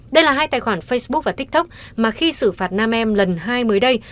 đây là hai tài khoản facebook và tiktok mà khi xử phạt nam em lần hai mới đây